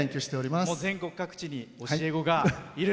全国各地に教え子がいる。